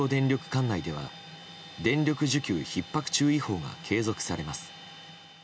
管内では電力需給ひっ迫注意報が継続されます。